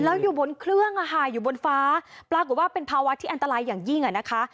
แล้วอยู่บนเครื่องอ่ะค่ะอยู่บนฟ้าปรากฏว่าเป็นภาวะที่อันตรายอย่างยิ่งอ่ะนะคะ